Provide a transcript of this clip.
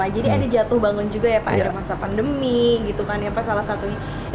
jadi ada jatuh bangun juga ya pak ada masa pandemi